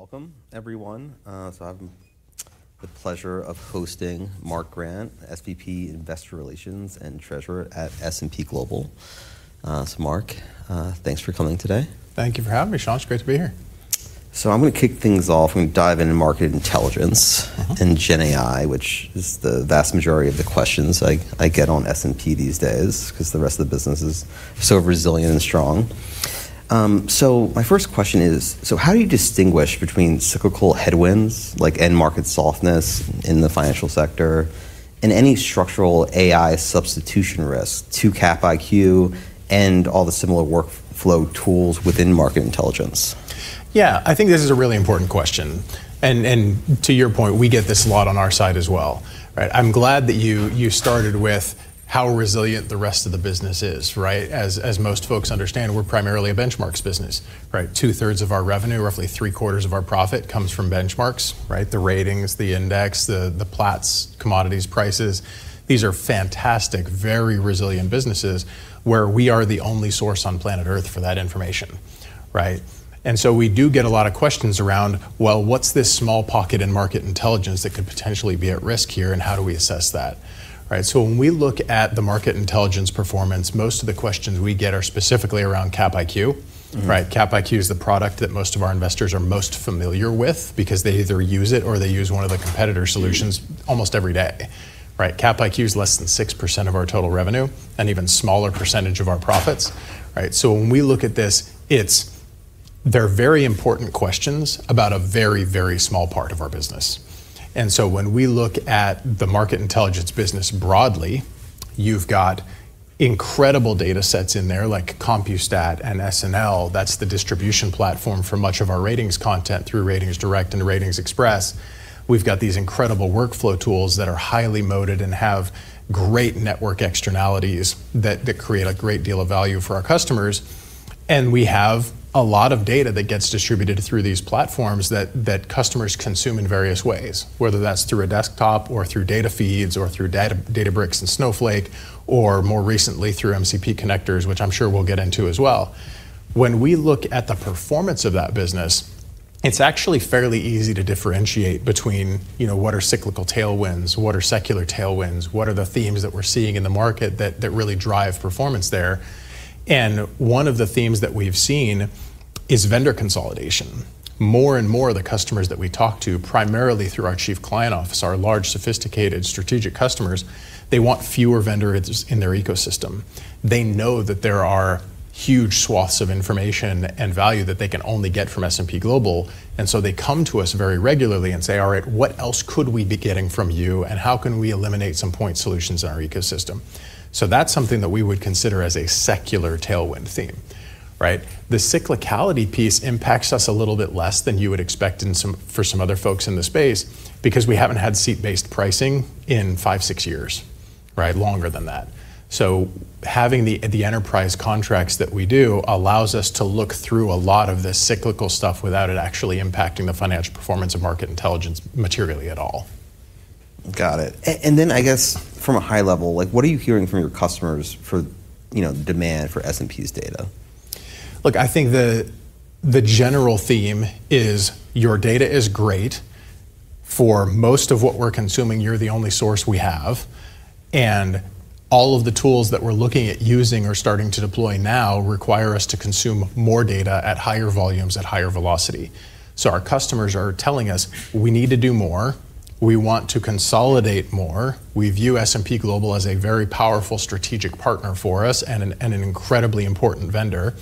Okay, welcome everyone. I have the pleasure of hosting Mark Grant, SVP Investor Relations and Treasurer at S&P Global. Mark, thanks for coming today. Thank you for having me, Sean. It's great to be here. I'm going to kick things off and dive into Market Intelligence and GenAI, which is the vast majority of the questions I get on S&P these days, because the rest of the business is so resilient and strong. My first question is, how do you distinguish between cyclical headwinds, like end market softness in the financial sector, and any structural AI substitution risk to Capital IQ and all the similar workflow tools within Market Intelligence? Yeah. I think this is a really important question, and to your point, we get this a lot on our side as well. Right. I'm glad that you started with how resilient the rest of the business is, right? As most folks understand, we're primarily a benchmarks business. Right. Two-thirds of our revenue, roughly three-quarters of our profit comes from benchmarks, right? The ratings, the index, the Platts commodities prices. These are fantastic, very resilient businesses where we are the only source on planet Earth for that information. Right. We do get a lot of questions around, well, what's this small pocket in Market Intelligence that could potentially be at risk here, and how do we assess that? Right. When we look at the Market Intelligence performance, most of the questions we get are specifically around Capital IQ. Right? Cap IQ is the product that most of our investors are most familiar with because they either use it or they use one of the competitor solutions almost every day. Right. Cap IQ is less than 6% of our total revenue, an even smaller percentage of our profits. Right. When we look at this, they're very important questions about a very, very small part of our business. When we look at the Market Intelligence business broadly, you've got incredible data sets in there like Compustat and SNL. That's the distribution platform for much of our ratings content through RatingsDirect and RatingsXpress. We've got these incredible workflow tools that are highly moated and have great network externalities that create a great deal of value for our customers. We have a lot of data that gets distributed through these platforms that customers consume in various ways, whether that's through a desktop or through data feeds, or through Databricks and Snowflake, or more recently, through MCP connectors, which I'm sure we'll get into as well. When we look at the performance of that business, it's actually fairly easy to differentiate between what are cyclical tailwinds, what are secular tailwinds, what are the themes that we're seeing in the market that really drive performance there. One of the themes that we've seen is vendor consolidation. More and more of the customers that we talk to, primarily through our Chief Client Office, our large, sophisticated strategic customers, they want fewer vendors in their ecosystem. They know that there are huge swaths of information and value that they can only get from S&P Global, and they come to us very regularly and say, "All right, what else could we be getting from you, and how can we eliminate some point solutions in our ecosystem?" That's something that we would consider as a secular tailwind theme. Right? The cyclicality piece impacts us a little bit less than you would expect for some other folks in the space because we haven't had seat-based pricing in five, six years, right? Longer than that. Having the enterprise contracts that we do allows us to look through a lot of the cyclical stuff without it actually impacting the financial performance of Market Intelligence materially at all. Got it. I guess from a high level, what are you hearing from your customers for demand for S&P's data? Look, I think the general theme is your data is great. For most of what we're consuming, you're the only source we have, and all of the tools that we're looking at using or starting to deploy now require us to consume more data at higher volumes, at higher velocity. Our customers are telling us, "We need to do more. We want to consolidate more. We view S&P Global as a very powerful strategic partner for us and an incredibly important vendor.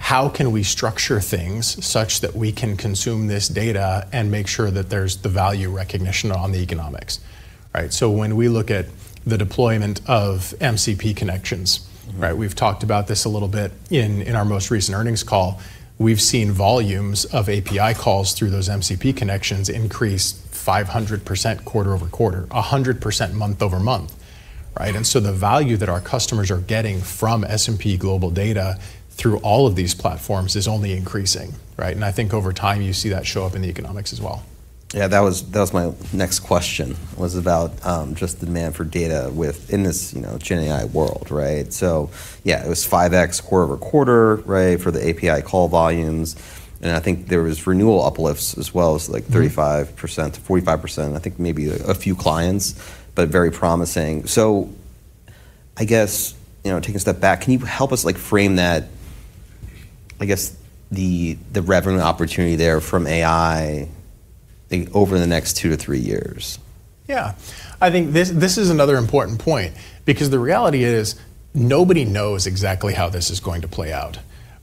How can we structure things such that we can consume this data and make sure that there's the value recognition on the economics?" Right. When we look at the deployment of MCP connections- right, we've talked about this a little bit in our most recent earnings call. We've seen volumes of API calls through those MCP connections increase 500% quarter-over-quarter, 100% month-over-month. Right. The value that our customers are getting from S&P Global data through all of these platforms is only increasing, right? I think over time, you see that show up in the economics as well. Yeah, that was my next question, was about just the demand for data within this GenAI world, right? Yeah, it was 5x quarter-over-quarter, right, for the API call volumes, and I think there was renewal uplifts as well. 35%-45%, I think maybe a few clients, but very promising. I guess, taking a step back, can you help us frame that, I guess, the revenue opportunity there from AI over the next two to three years? Yeah. I think this is another important point because the reality is nobody knows exactly how this is going to play out.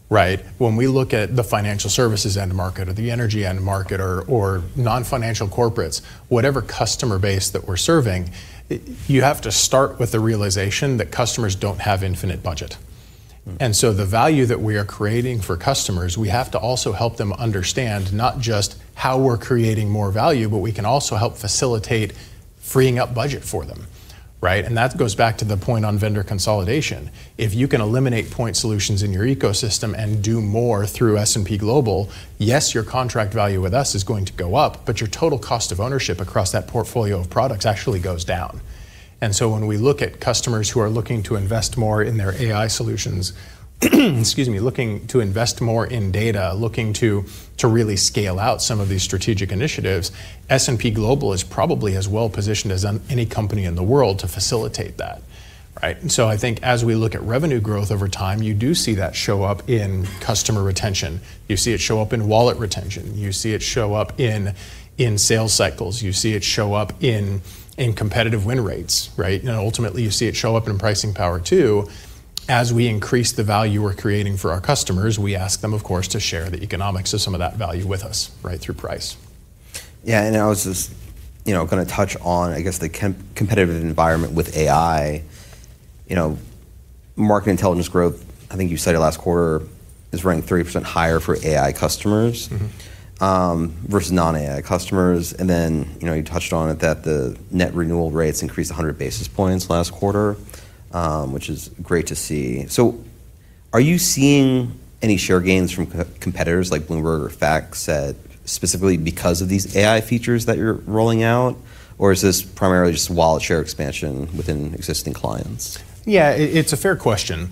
Right? When we look at the financial services end market or the energy end market or non-financial corporates, whatever customer base that we're serving, you have to start with the realization that customers don't have infinite budget. The value that we are creating for customers, we have to also help them understand not just how we're creating more value, but we can also help facilitate freeing up budget for them. And that goes back to the point on vendor consolidation. If you can eliminate point solutions in your ecosystem and do more through S&P Global, yes, your contract value with us is going to go up, but your total cost of ownership across that portfolio of products actually goes down. When we look at customers who are looking to invest more in their AI solutions, looking to invest more in data, looking to really scale out some of these strategic initiatives, S&P Global is probably as well-positioned as any company in the world to facilitate that. I think as we look at revenue growth over time, you do see that show up in customer retention. You see it show up in wallet retention. You see it show up in sales cycles. You see it show up in competitive win rates. Ultimately, you see it show up in pricing power, too. As we increase the value we're creating for our customers, we ask them, of course, to share the economics of some of that value with us through price. Yeah, I was just going to touch on, I guess, the competitive environment with AI. Market Intelligence growth, I think you said last quarter is running 30% higher for AI customers versus non-AI customers. You touched on it that the net renewal rates increased 100 basis points last quarter, which is great to see. Are you seeing any share gains from competitors like Bloomberg or FactSet specifically because of these AI features that you're rolling out? Or is this primarily just wallet share expansion within existing clients? Yeah. It's a fair question.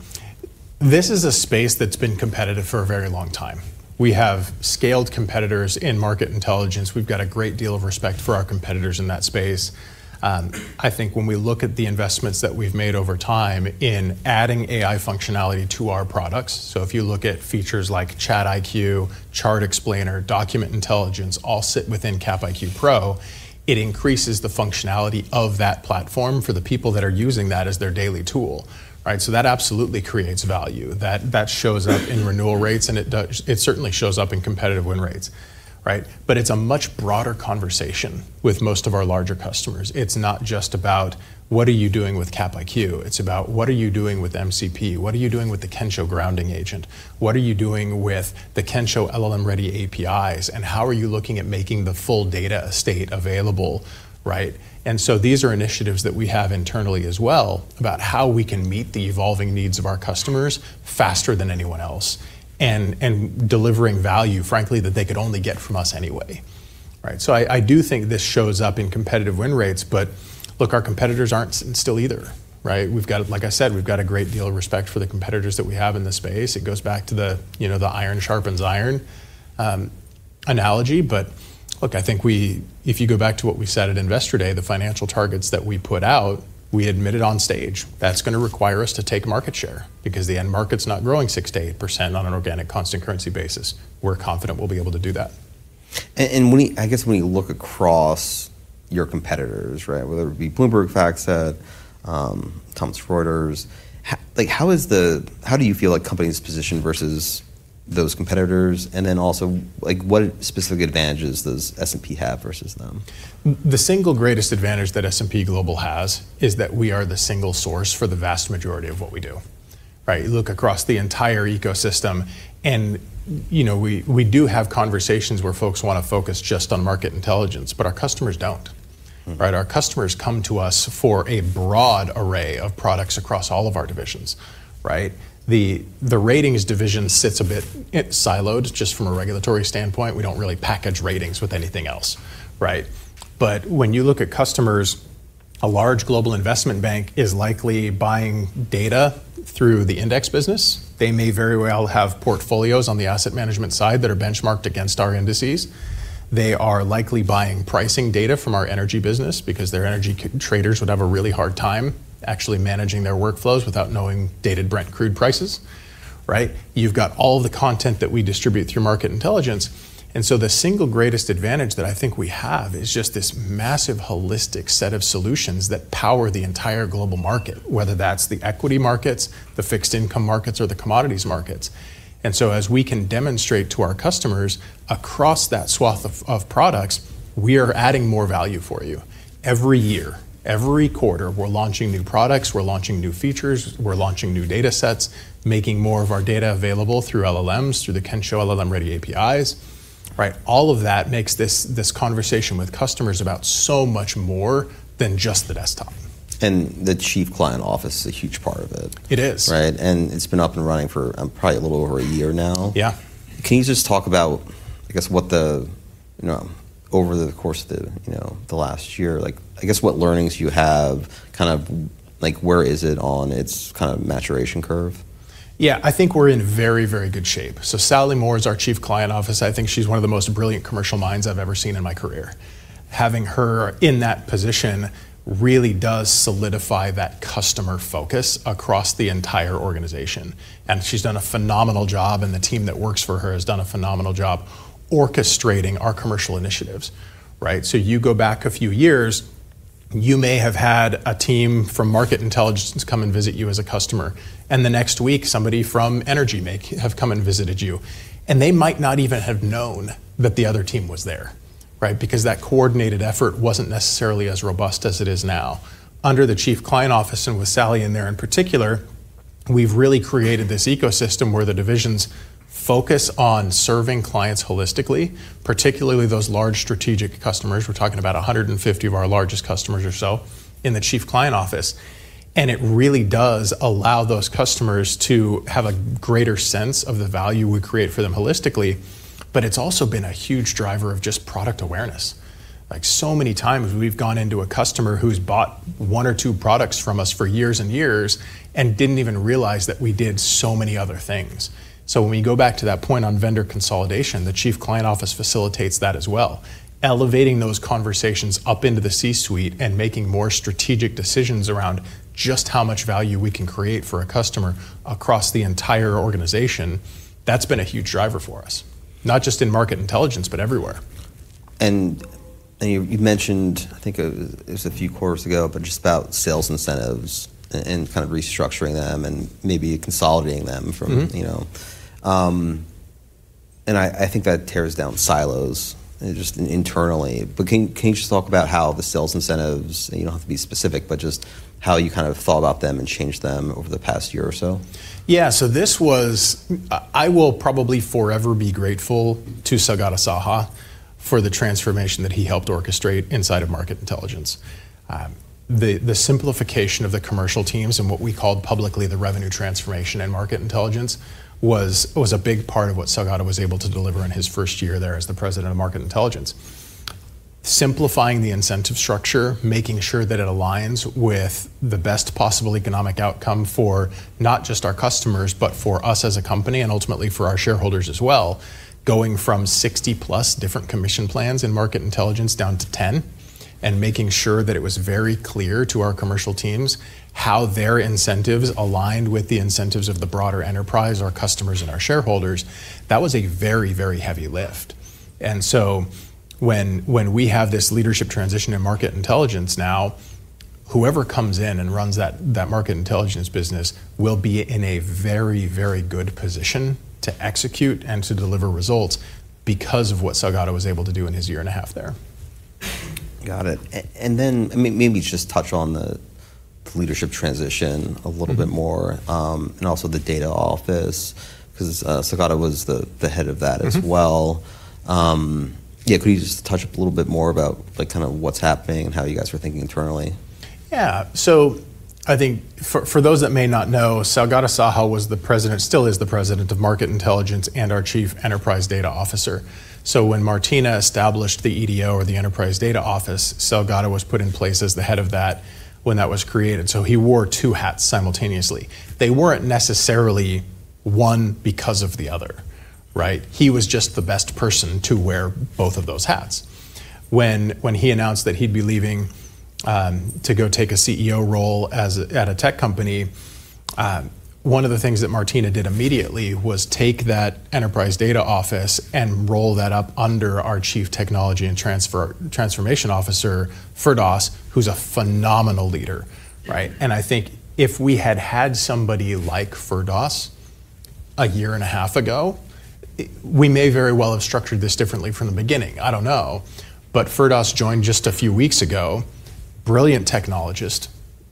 This is a space that's been competitive for a very long time. We have scaled competitors in Market Intelligence. We've got a great deal of respect for our competitors in that space. I think when we look at the investments that we've made over time in adding AI functionality to our products, if you look at features like ChatIQ, Chart Explainer, Document Intelligence all sit within Cap IQ Pro, it increases the functionality of that platform for the people that are using that as their daily tool. That absolutely creates value. That shows up in renewal rates, and it certainly shows up in competitive win rates. It's a much broader conversation with most of our larger customers. It's not just about what are you doing with Cap IQ, it's about what are you doing with MCP? What are you doing with the Kensho Grounding Agent? What are you doing with the Kensho LLM-ready APIs, and how are you looking at making the full data estate available? These are initiatives that we have internally as well about how we can meet the evolving needs of our customers faster than anyone else and delivering value, frankly, that they could only get from us anyway. I do think this shows up in competitive win rates, look, our competitors aren't still either. Like I said, we've got a great deal of respect for the competitors that we have in this space. It goes back to the iron sharpens iron analogy. Look, I think if you go back to what we said at Investor Day, the financial targets that we put out, we admitted on stage, that's going to require us to take market share because the end market's not growing 6%-8% on an organic constant currency basis. We're confident we'll be able to do that. I guess when you look across your competitors, whether it be Bloomberg, FactSet, Thomson Reuters, how do you feel like company's positioned versus those competitors? What specific advantages does S&P have versus them? The single greatest advantage that S&P Global has is that we are the single source for the vast majority of what we do. You look across the entire ecosystem, and we do have conversations where folks want to focus just on Market Intelligence, but our customers don't. Our customers come to us for a broad array of products across all of our divisions. The Ratings division sits a bit siloed just from a regulatory standpoint. We don't really package Ratings with anything else. When you look at customers, a large global investment bank is likely buying data through the index business. They may very well have portfolios on the asset management side that are benchmarked against our indices. They are likely buying pricing data from our energy business because their energy traders would have a really hard time actually managing their workflows without knowing Dated Brent crude prices. You've got all the content that we distribute through Market Intelligence. The single greatest advantage that I think we have is just this massive holistic set of solutions that power the entire global market, whether that's the equity markets, the fixed income markets, or the commodities markets. As we can demonstrate to our customers across that swath of products, we are adding more value for you. Every year, every quarter, we're launching new products, we're launching new features, we're launching new data sets, making more of our data available through LLMs, through the Kensho LLM-ready API. All of that makes this conversation with customers about so much more than just the desktop. The Chief Client Office is a huge part of it. It is. It's been up and running for probably a little over a year now. Yeah. Can you just talk about, I guess, over the course of the last year, I guess what learnings you have, kind of where is it on its kind of maturation curve? Yeah. I think we're in very, very good shape. Sally Moore is our Chief Client Office. I think she's one of the most brilliant commercial minds I've ever seen in my career. Having her in that position really does solidify that customer focus across the entire organization. She's done a phenomenal job, and the team that works for her has done a phenomenal job orchestrating our commercial initiatives. You go back a few years, you may have had a team from Market Intelligence come and visit you as a customer, and the next week somebody from Energy may have come and visited you, and they might not even have known that the other team was there because that coordinated effort wasn't necessarily as robust as it is now. Under the Chief Client Office and with Sally in there in particular, we've really created this ecosystem where the divisions focus on serving clients holistically, particularly those large strategic customers. We're talking about 150 of our largest customers or so in the Chief Client Office. It really does allow those customers to have a greater sense of the value we create for them holistically, but it's also been a huge driver of just product awareness. Like so many times, we've gone into a customer who's bought one or two products from us for years and years and didn't even realize that we did so many other things. When you go back to that point on vendor consolidation, the Chief Client Office facilitates that as well, elevating those conversations up into the C-suite and making more strategic decisions around just how much value we can create for a customer across the entire organization. That's been a huge driver for us, not just in Market Intelligence, but everywhere. You mentioned, I think it was a few quarters ago, but just about sales incentives and kind of restructuring them and maybe consolidating them from- You know. I think that tears down silos just internally, but can you just talk about how the sales incentives, you don't have to be specific, but just how you kind of thought about them and changed them over the past year or so? Yeah. I will probably forever be grateful to Saugata Saha for the transformation that he helped orchestrate inside of Market Intelligence. The simplification of the commercial teams and what we called publicly the revenue transformation in Market Intelligence was a big part of what Saugata was able to deliver in his first year there as the President of Market Intelligence. Simplifying the incentive structure, making sure that it aligns with the best possible economic outcome for not just our customers, but for us as a company, and ultimately for our shareholders as well, going from 60 plus different commission plans in Market Intelligence down to 10, and making sure that it was very clear to our commercial teams how their incentives aligned with the incentives of the broader enterprise, our customers, and our shareholders. That was a very, very heavy lift. When we have this leadership transition in Market Intelligence now, whoever comes in and runs that Market Intelligence business will be in a very, very good position to execute and to deliver results because of what Saugata was able to do in his year and a half there. Got it. Maybe just touch on the leadership transition a little bit more, and also the Data Office, because Saugata was the head of that as well. Yeah, could you just touch a little bit more about kind of what's happening and how you guys are thinking internally? I think for those that may not know, Saugata Saha was the President, still is the President of Market Intelligence and our Chief Enterprise Data Officer. When Martina established the EDO or the Enterprise Data Office, Saugata was put in place as the head of that when that was created. He wore two hats simultaneously. They weren't necessarily one because of the other. Right? He was just the best person to wear both of those hats. When he announced that he'd be leaving to go take a CEO role at a tech company, one of the things that Martina did immediately was take that Enterprise Data Office and roll that up under our Chief Technology & Transformation Officer, Firdaus, who's a phenomenal leader. Right? I think if we had had somebody like Firdaus a year and a half ago, we may very well have structured this differently from the beginning. I don't know. Firdaus joined just a few weeks ago, brilliant technologist,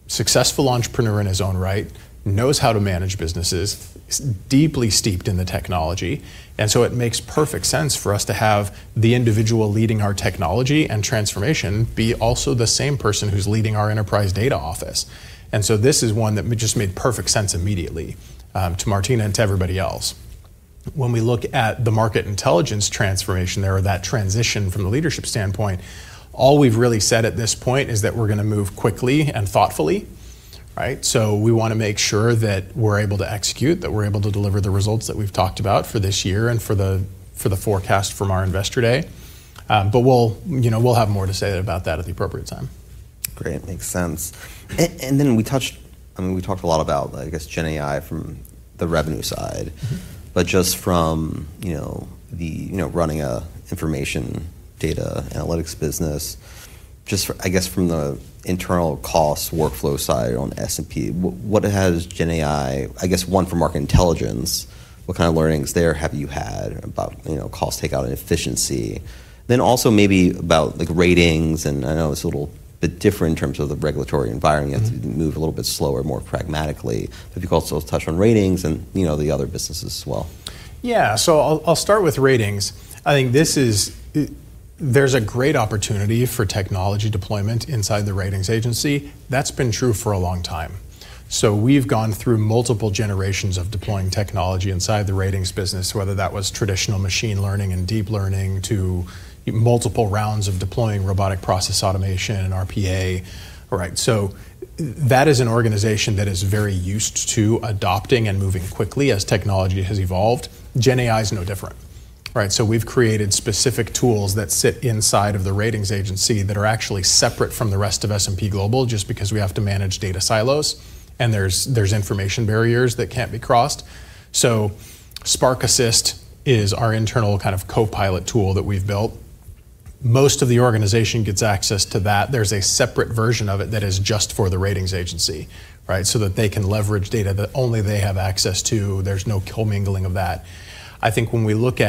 successful entrepreneur in his own right, knows how to manage businesses, is deeply steeped in the technology, it makes perfect sense for us to have the individual leading our technology and transformation be also the same person who's leading our Enterprise Data Office. This is one that just made perfect sense immediately to Martina and to everybody else. When we look at the Market Intelligence transformation there or that transition from the leadership standpoint, all we've really said at this point is that we're going to move quickly and thoughtfully. Right? We want to make sure that we're able to execute, that we're able to deliver the results that we've talked about for this year and for the forecast from our Investor Day. We'll have more to say about that at the appropriate time. Great. Makes sense. We touched, I mean, we talked a lot about, I guess, GenAI from the revenue side. Just from running a information data analytics business, just I guess from the internal cost workflow side on S&P, what has GenAI, I guess one, for Market Intelligence, what kind of learnings there have you had about cost takeout and efficiency? Also maybe about like ratings, and I know it's a little bit different in terms of the regulatory environment. You have to move a little bit slower, more pragmatically. If you could also touch on ratings and the other businesses as well. Yeah. I'll start with ratings. I think there's a great opportunity for technology deployment inside the ratings agency. That's been true for a long time. We've gone through multiple generations of deploying technology inside the ratings business, whether that was traditional machine learning and deep learning to multiple rounds of deploying robotic process automation and RPA. Right. That is an organization that is very used to adopting and moving quickly as technology has evolved. GenAI is no different. Right? We've created specific tools that sit inside of the ratings agency that are actually separate from the rest of S&P Global, just because we have to manage data silos, and there's information barriers that can't be crossed. Spark Assist is our internal kind of copilot tool that we've built. Most of the organization gets access to that. There's a separate version of it that is just for the ratings agency, right, so that they can leverage data that only they have access to. There's no commingling of that. I think when we look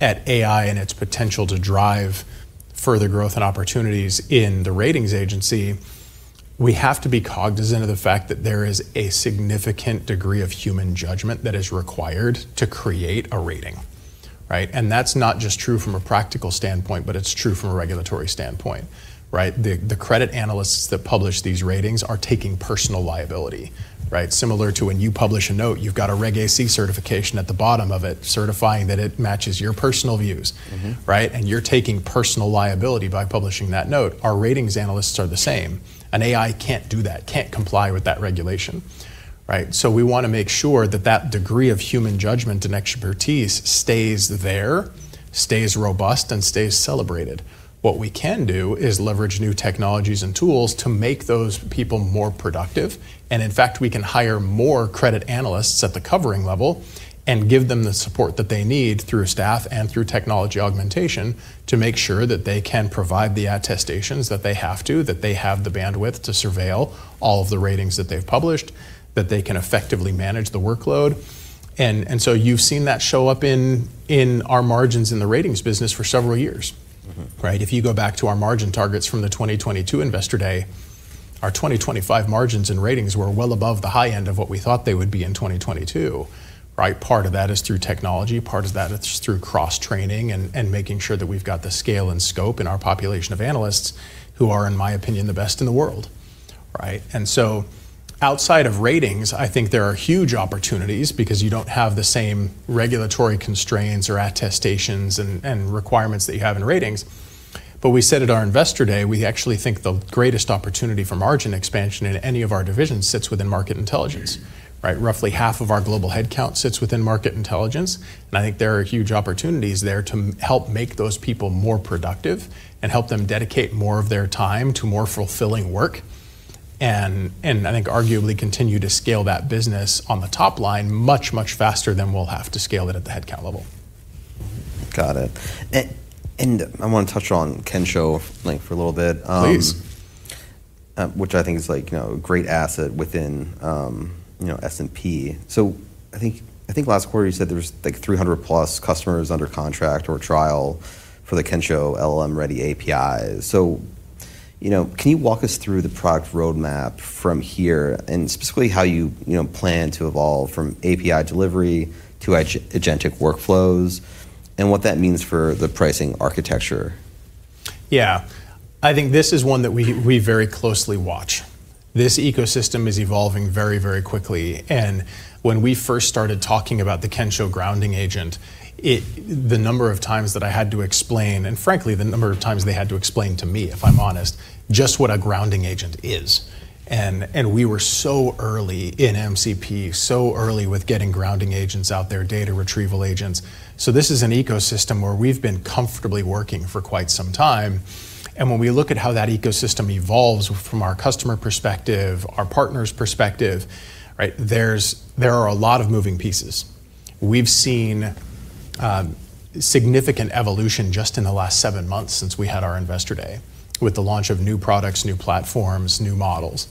at AI and its potential to drive further growth and opportunities in the ratings agency, we have to be cognizant of the fact that there is a significant degree of human judgment that is required to create a rating. That's not just true from a practical standpoint, but it's true from a regulatory standpoint. Right. The credit analysts that publish these ratings are taking personal liability. Similar to when you publish a note, you've got a Reg AC certification at the bottom of it certifying that it matches your personal views. Right. You're taking personal liability by publishing that note. Our ratings analysts are the same. An AI can't do that, can't comply with that regulation. We want to make sure that that degree of human judgment and expertise stays there, stays robust, and stays celebrated. What we can do is leverage new technologies and tools to make those people more productive, and in fact, we can hire more credit analysts at the covering level and give them the support that they need through staff and through technology augmentation to make sure that they can provide the attestations that they have to, that they have the bandwidth to surveil all of the ratings that they've published, that they can effectively manage the workload. You've seen that show up in our margins in the ratings business for several years. Right. If you go back to our margin targets from the 2022 Investor Day, our 2025 margins and ratings were well above the high end of what we thought they would be in 2022. Part of that is through technology, part of that is through cross-training and making sure that we've got the scale and scope in our population of analysts who are, in my opinion, the best in the world. Right. Outside of ratings, I think there are huge opportunities because you don't have the same regulatory constraints or attestations and requirements that you have in ratings. We said at our Investor Day, we actually think the greatest opportunity for margin expansion in any of our divisions sits within Market Intelligence. Roughly half of our global headcount sits within Market Intelligence, I think there are huge opportunities there to help make those people more productive and help them dedicate more of their time to more fulfilling work. I think arguably continue to scale that business on the top line much, much faster than we'll have to scale it at the headcount level. Got it. I want to touch on Kensho Link for a little bit. Please Which I think is a great asset within S&P. Last quarter you said there was 300+ customers under contract or trial for the Kensho LLM-ready API. Can you walk us through the product roadmap from here, and specifically how you plan to evolve from API delivery to agentic workflows, and what that means for the pricing architecture? Yeah. I think this is one that we very closely watch. This ecosystem is evolving very, very quickly. When we first started talking about the Kensho Grounding Agent, the number of times that I had to explain, and frankly, the number of times they had to explain to me, if I'm honest, just what a grounding agent is. We were so early in MCP, so early with getting grounding agents out there, data retrieval agents. This is an ecosystem where we've been comfortably working for quite some time. When we look at how that ecosystem evolves from our customer perspective, our partners' perspective, there are a lot of moving pieces. We've seen significant evolution just in the last seven months since we had our Investor Day with the launch of new products, new platforms, new models.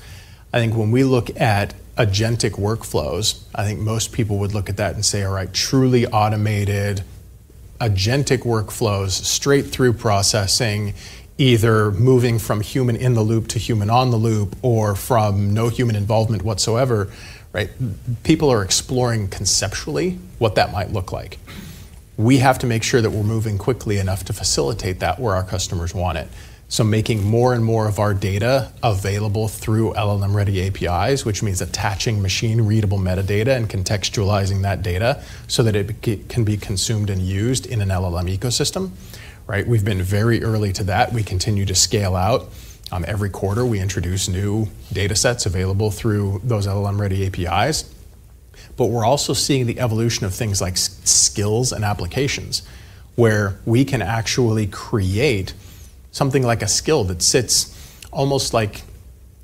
I think when we look at agentic workflows, I think most people would look at that and say, all right, truly automated agentic workflows, straight-through processing, either moving from human-in-the-loop to human-on-the-loop, or from no human involvement whatsoever. People are exploring conceptually what that might look like. We have to make sure that we're moving quickly enough to facilitate that where our customers want it. Making more and more of our data available through LLM-ready APIs, which means attaching machine-readable metadata and contextualizing that data so that it can be consumed and used in an LLM ecosystem. We've been very early to that. We continue to scale out. Every quarter, we introduce new data sets available through those LLM-ready APIs. We're also seeing the evolution of things like skills and applications, where we can actually create something like a skill that sits almost like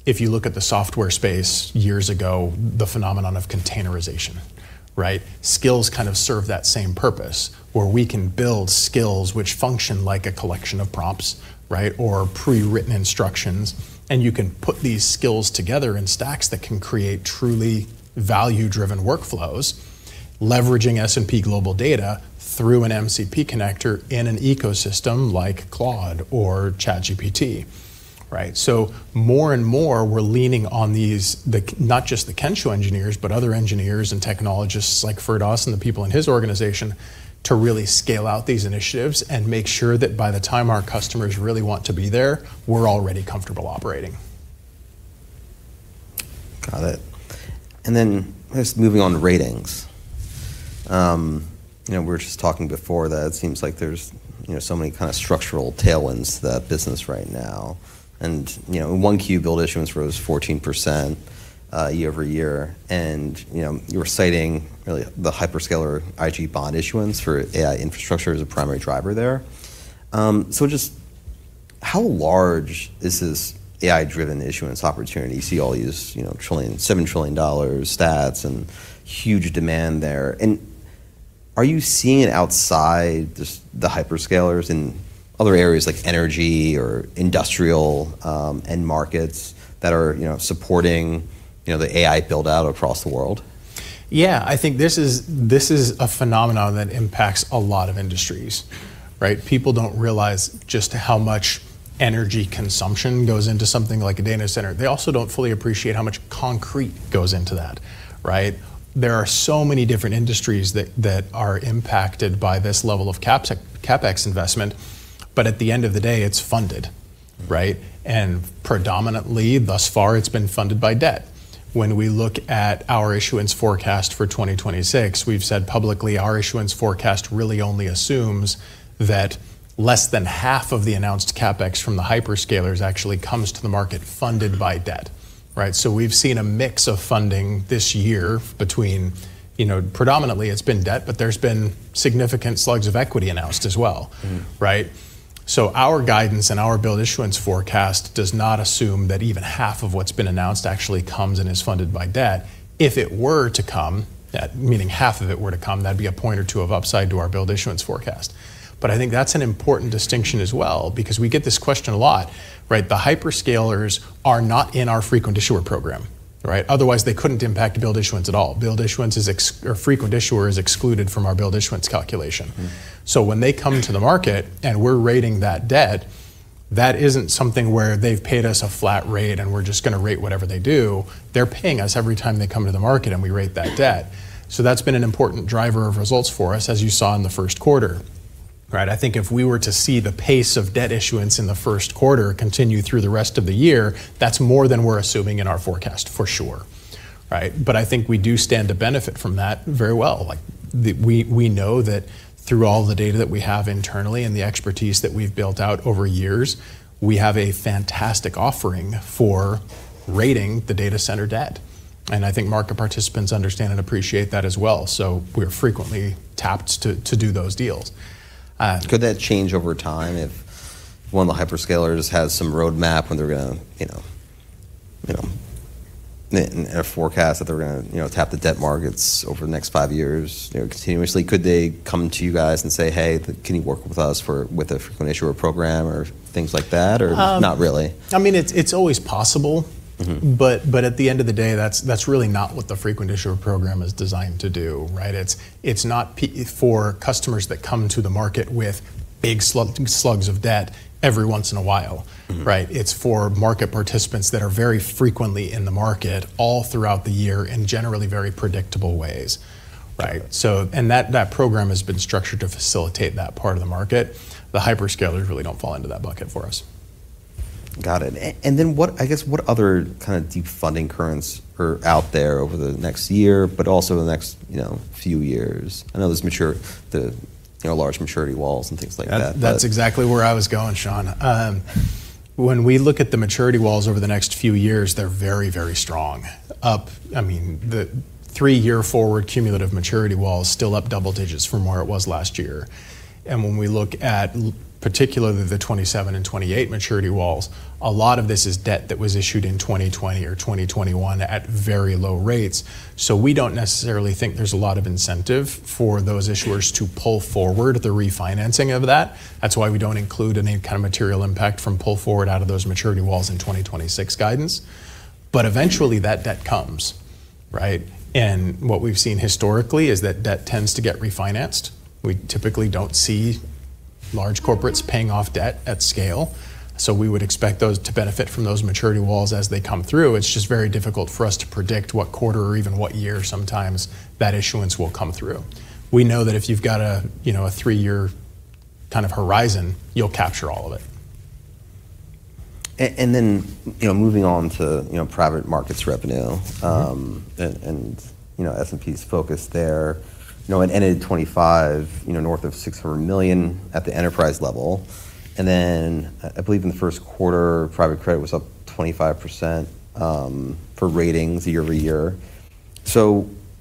if you look at the software space years ago, the phenomenon of containerization. Skills kind of serve that same purpose, where we can build skills which function like a collection of prompts or pre-written instructions, and you can put these skills together in stacks that can create truly value-driven workflows, leveraging S&P Global data through an MCP connector in an ecosystem like Claude or ChatGPT. More and more, we're leaning on these, not just the Kensho engineers, but other engineers and technologists like Firdaus and the people in his organization to really scale out these initiatives and make sure that by the time our customers really want to be there, we're already comfortable operating. Got it. Then just moving on to ratings. We were just talking before that it seems like there's so many kind of structural tailwinds to that business right now, in 1Q, billed issuance rose 14% year-over-year. You were citing the hyperscaler IG bond issuance for AI infrastructure as a primary driver there. Just how large is this AI-driven issuance opportunity? You see all these $7 trillion stats and huge demand there. Are you seeing it outside just the hyperscalers in other areas like energy or industrial end markets that are supporting you know, the AI build-out across the world? I think this is a phenomenon that impacts a lot of industries, right? People don't realize just how much energy consumption goes into something like a data center. They also don't fully appreciate how much concrete goes into that, right? There are so many different industries that are impacted by this level of CapEx investment, but at the end of the day, it's funded, right? Predominantly, thus far, it's been funded by debt. When we look at our issuance forecast for 2026, we've said publicly our issuance forecast really only assumes that less than half of the announced CapEx from the hyperscalers actually comes to the market funded by debt, right? We've seen a mix of funding this year between, predominantly it's been debt, but there's been significant slugs of equity announced as well, right? Our guidance and our billed issuance forecast does not assume that even half of what's been announced actually comes and is funded by debt. If it were to come, that meaning half of it were to come, that'd be a point or two of upside to our billed issuance forecast. I think that's an important distinction as well, because we get this question a lot, right? The hyperscalers are not in our frequent issuer program, right? Otherwise, they couldn't impact billed issuance at all. Frequent issuer is excluded from our billed issuance calculation. When they come to the market and we're rating that debt, that isn't something where they've paid us a flat rate, and we're just going to rate whatever they do. They're paying us every time they come to the market, and we rate that debt. That's been an important driver of results for us, as you saw in the first quarter. I think if we were to see the pace of debt issuance in the first quarter continue through the rest of the year, that's more than we're assuming in our forecast, for sure. I think we do stand to benefit from that very well. Like, we know that through all the data that we have internally and the expertise that we've built out over years, we have a fantastic offering for rating the data center debt. I think market participants understand and appreciate that as well. We're frequently tapped to do those deals. Could that change over time if one of the hyperscalers has some roadmap when they're gonna tap the debt markets over the next five years continuously. Could they come to you guys and say, "Hey, can you work with us with a frequent issuer program," or things like that? Or not really? I mean, it's always possible. At the end of the day, that's really not what the frequent issuer program is designed to do, right? It's not for customers that come to the market with big slugs of debt every once in a while. Right? It's for market participants that are very frequently in the market all throughout the year in generally very predictable ways. Right. Okay. That program has been structured to facilitate that part of the market. The hyperscalers really don't fall into that bucket for us. Got it. What, I guess what other kind of deep funding currents are out there over the next year, but also the next few years? I know there's the large maturity walls and things like that. That's exactly where I was going, Sean. When we look at the maturity walls over the next few years, they're very, very strong. I mean, the three-year forward cumulative maturity wall is still up double digits from where it was last year. When we look at particularly the 2027 and 2028 maturity walls, a lot of this is debt that was issued in 2020 or 2021 at very low rates. We don't necessarily think there's a lot of incentive for those issuers to pull forward the refinancing of that. That's why we don't include any kind of material impact from pull forward out of those maturity walls in 2026 guidance. Eventually that debt comes, right? What we've seen historically is that debt tends to get refinanced. We typically don't see large corporates paying off debt at scale. We would expect those to benefit from those maturity walls as they come through. It's just very difficult for us to predict what quarter or even what year sometimes that issuance will come through. We know that if you've got a three-year kind of horizon, you'll capture all of it. Moving on to private markets revenue. S&P's focus there. It ended 2025 north of $600 million at the enterprise level. I believe in the first quarter, private credit was up 25% for ratings year-over-year.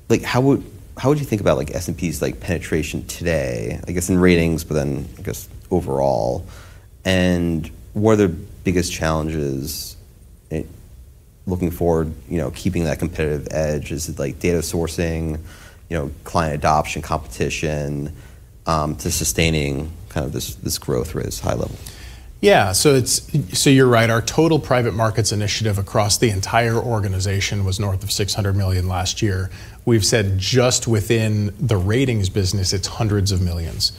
Like, how would you think about, like, S&P's, like, penetration today, I guess in ratings, but then I guess overall? What are the biggest challenges looking forward, keeping that competitive edge? Is it, like, data sourcing, client adoption, competition to sustaining kind of this growth rate as high level? You're right. Our total private markets initiative across the entire organization was north of $600 million last year. We've said just within the Ratings business, it's hundreds of millions.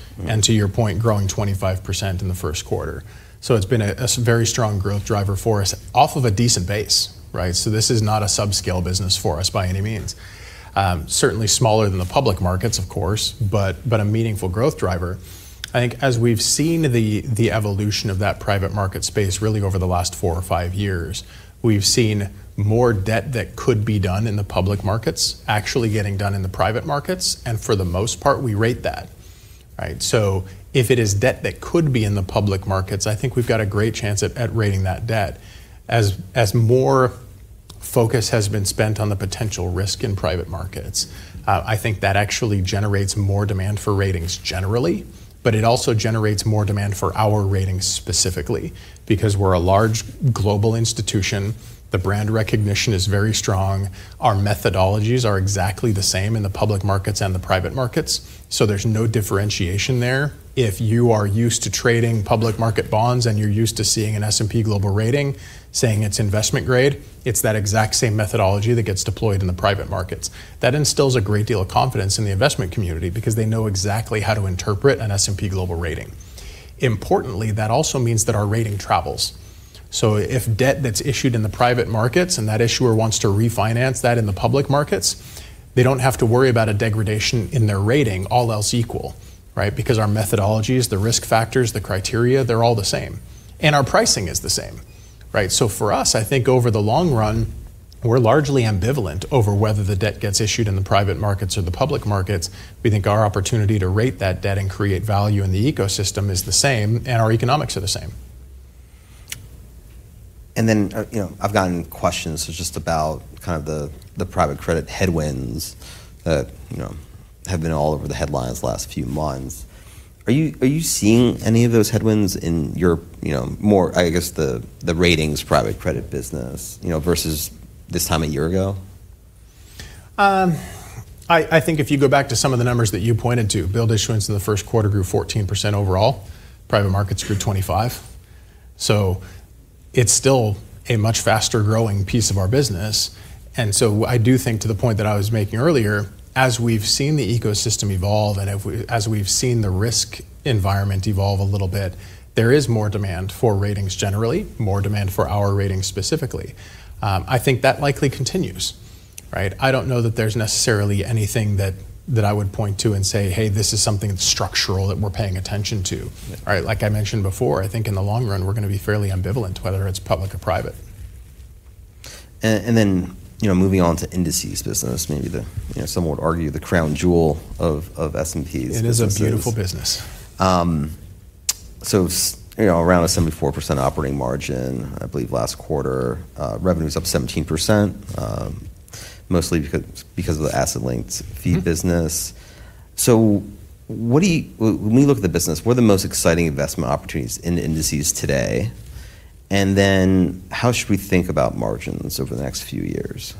To your point, growing 25% in the first quarter. It's been a very strong growth driver for us off of a decent base, right? This is not a sub-scale business for us by any means. Certainly smaller than the public markets of course, but a meaningful growth driver. I think as we've seen the evolution of that private market space really over the last four or five years, we've seen more debt that could be done in the public markets actually getting done in the private markets, and for the most part, we rate that, right? If it is debt that could be in the public markets, I think we've got a great chance at rating that debt. As more focus has been spent on the potential risk in private markets, I think that actually generates more demand for ratings generally, but it also generates more demand for our ratings specifically because we're a large global institution. The brand recognition is very strong. Our methodologies are exactly the same in the public markets and the private markets, so there's no differentiation there. If you are used to trading public market bonds and you're used to seeing an S&P Global rating saying it's investment grade, it's that exact same methodology that gets deployed in the private markets. That instills a great deal of confidence in the investment community because they know exactly how to interpret an S&P Global rating. Importantly, that also means that our rating travels. If debt that's issued in the private markets and that issuer wants to refinance that in the public markets, they don't have to worry about a degradation in their rating, all else equal, right? Because our methodologies, the risk factors, the criteria, they're all the same. Our pricing is the same. Right? For us, I think over the long run, we're largely ambivalent over whether the debt gets issued in the private markets or the public markets. We think our opportunity to rate that debt and create value in the ecosystem is the same, and our economics are the same. I've gotten questions just about kind of the private credit headwinds that have been all over the headlines the last few months. Are you seeing any of those headwinds in your, more, I guess, the ratings private credit business versus this time a year ago? I think if you go back to some of the numbers that you pointed to, billed issuance in the first quarter grew 14% overall. Private markets grew 25%. It's still a much faster-growing piece of our business. I do think to the point that I was making earlier, as we've seen the ecosystem evolve and as we've seen the risk environment evolve a little bit, there is more demand for ratings generally, more demand for our ratings specifically. I think that likely continues, right? I don't know that there's necessarily anything that I would point to and say, "Hey, this is something that's structural that we're paying attention to. Yeah. Right? Like I mentioned before, I think in the long run, we're going to be fairly ambivalent whether it's public or private. Moving on to Indices business, maybe some would argue the crown jewel of S&P's businesses. It is a beautiful business. Around a 74% operating margin, I believe, last quarter. Revenue's up 17%, mostly because of the asset-linked fee business. When we look at the business, what are the most exciting investment opportunities in Indices today? How should we think about margins over the next few years?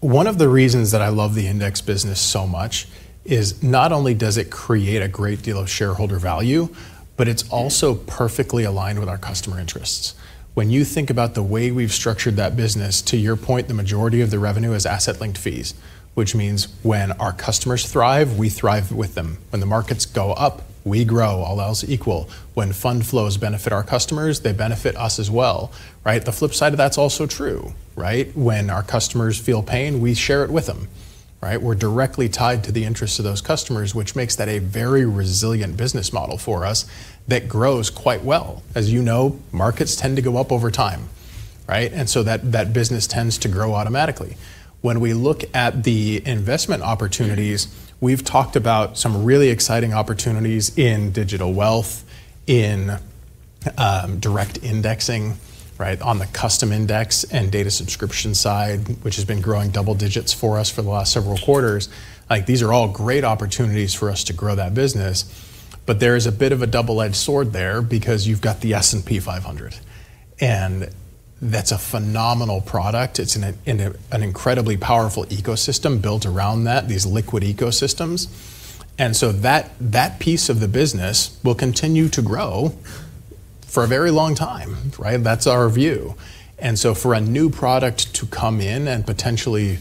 One of the reasons that I love the Index business so much is not only does it create a great deal of shareholder value, but it's also perfectly aligned with our customer interests. When you think about the way we've structured that business, to your point, the majority of the revenue is asset-linked fees, which means when our customers thrive, we thrive with them. When the markets go up, we grow, all else equal. When fund flows benefit our customers, they benefit us as well, right? The flip side of that's also true, right? When our customers feel pain, we share it with them, right? We're directly tied to the interests of those customers, which makes that a very resilient business model for us that grows quite well. As you know, markets tend to go up over time, right? That business tends to grow automatically. We look at the investment opportunities, we've talked about some really exciting opportunities in digital wealth, in direct indexing, right, on the custom index and data subscription side, which has been growing double digits for us for the last several quarters. Like, these are all great opportunities for us to grow that business. There is a bit of a double-edged sword there because you've got the S&P 500. That's a phenomenal product. It's in an incredibly powerful ecosystem built around that, these liquid ecosystems. That piece of the business will continue to grow for a very long time, right? That's our view. For a new product to come in and potentially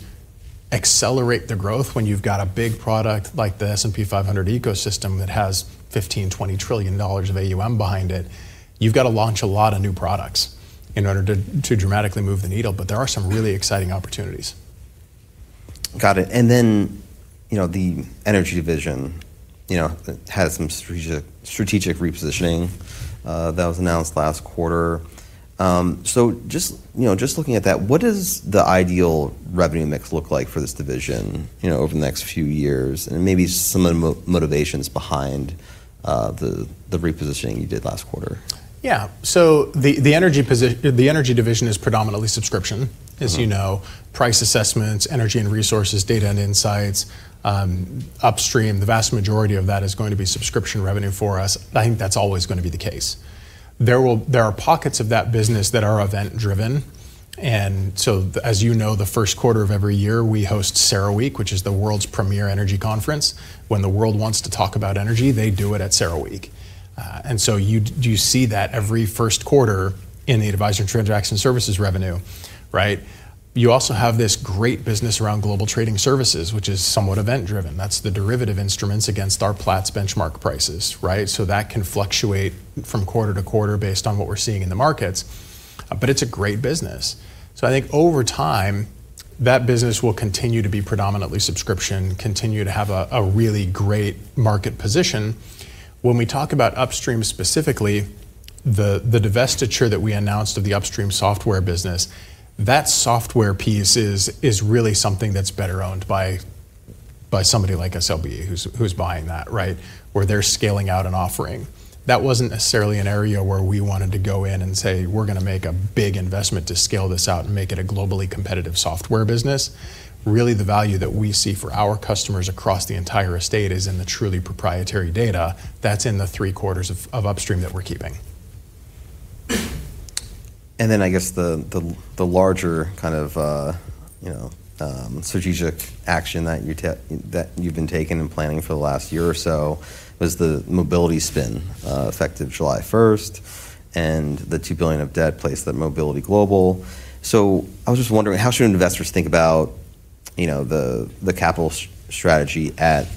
accelerate the growth when you've got a big product like the S&P 500 ecosystem that has $15 trillion-$20 trillion of AUM behind it, you've got to launch a lot of new products in order to dramatically move the needle. There are some really exciting opportunities. Got it. The Energy division had some strategic repositioning that was announced last quarter. Just looking at that, what does the ideal revenue mix look like for this division over the next few years, and maybe some of the motivations behind the repositioning you did last quarter? Yeah. The Energy division is predominantly subscription as you know. Price assessments, energy and resources, data and insights. Upstream, the vast majority of that is going to be subscription revenue for us. I think that's always going to be the case. There are pockets of that business that are event driven. As you know, the first quarter of every year, we host CERAWeek, which is the world's premier energy conference. When the world wants to talk about energy, they do it at CERAWeek. You see that every first quarter in the advisory and transaction services revenue, right? You also have this great business around global trading services, which is somewhat event driven. That's the derivative instruments against our Platts benchmark prices, right? That can fluctuate from quarter-to-quarter based on what we're seeing in the markets. It's a great business. I think over time, that business will continue to be predominantly subscription, continue to have a really great market position. When we talk about upstream specifically, the divestiture that we announced of the upstream software business, that software piece is really something that's better owned by somebody like SLB who's buying that, right? Where they're scaling out an offering. That wasn't necessarily an area where we wanted to go in and say, "We're going to make a big investment to scale this out and make it a globally competitive software business." Really, the value that we see for our customers across the entire estate is in the truly proprietary data that's in the three-quarters of upstream that we're keeping. I guess the larger kind of strategic action that you've been taking and planning for the last year or so was the mobility spin, effective July 1st, and the $2 billion of debt placed at Mobility Global. I was just wondering, how should investors think about the capital strategy at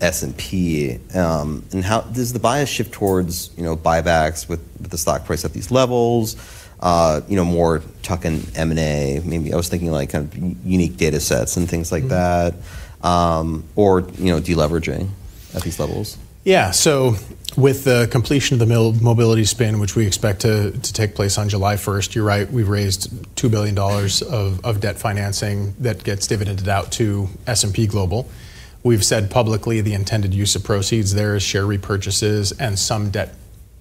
S&P? Does the bias shift towards buybacks with the stock price at these levels? More tuck-in M&A, maybe. I was thinking like kind of unique data sets and things like that, or de-leveraging at these levels. Yeah. With the completion of the mobility spin, which we expect to take place on July 1st, you're right, we've raised $2 billion of debt financing that gets dividended out to S&P Global. We've said publicly the intended use of proceeds there is share repurchases and some debt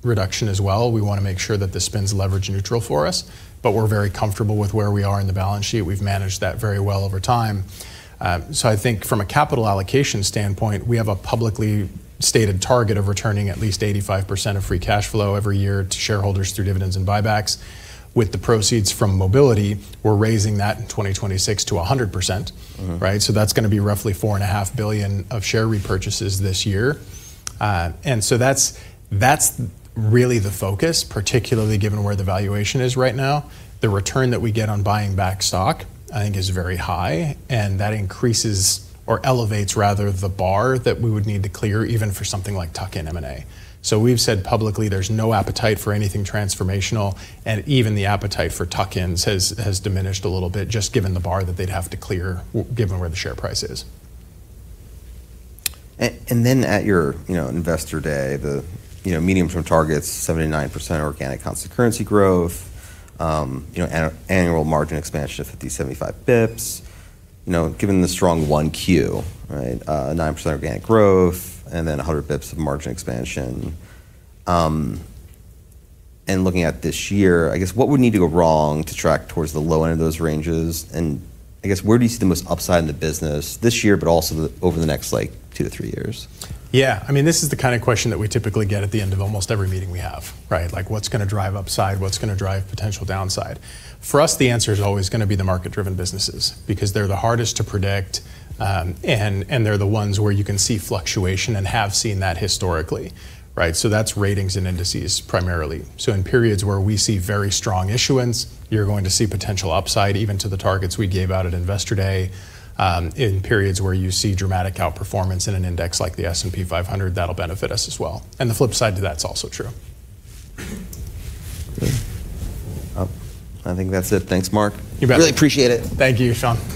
reduction as well. We want to make sure that the spin's leverage neutral for us. We're very comfortable with where we are in the balance sheet. We've managed that very well over time. I think from a capital allocation standpoint, we have a publicly stated target of returning at least 85% of free cash flow every year to shareholders through dividends and buybacks. With the proceeds from mobility, we're raising that in 2026 to 100%. Right. That's going to be roughly $4.5 Billion of share repurchases this year. That's really the focus, particularly given where the valuation is right now. The return that we get on buying back stock, I think, is very high, and that increases or elevates, rather, the bar that we would need to clear, even for something like tuck-in M&A. We've said publicly there's no appetite for anything transformational, and even the appetite for tuck-ins has diminished a little bit, just given the bar that they'd have to clear, given where the share price is. At your Investor Day, the medium-term target's 7%-9% organic constant currency growth, annual margin expansion of 50-75 basis points. Given the strong 1Q, right. 9% organic growth and 100 basis points of margin expansion. Looking at this year, I guess what would need to go wrong to track towards the low end of those ranges, and I guess where do you see the most upside in the business this year, but also over the next two to three years? This is the kind of question that we typically get at the end of almost every meeting we have, right. Like, what's going to drive upside? What's going to drive potential downside? For us, the answer is always going to be the market-driven businesses, because they're the hardest to predict, and they're the ones where you can see fluctuation and have seen that historically, right. That's Ratings and Indices primarily. In periods where we see very strong issuance, you're going to see potential upside even to the targets we gave out at Investor Day. In periods where you see dramatic outperformance in an index like the S&P 500, that'll benefit us as well, and the flip side to that's also true. Okay. I think that's it. Thanks, Mark. You bet. Really appreciate it. Thank you, Sean.